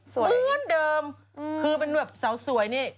เหมือนเดิมคือเป็นแบบสาวสวยนี่